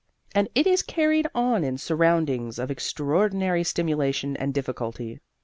And it is carried on in surroundings of extraordinary stimulation and difficulty.